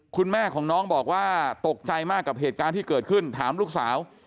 คุณแม่ของน้องบอกว่าตกใจมากกับเหตุการณ์ที่เกิดขึ้นถามลูกสาว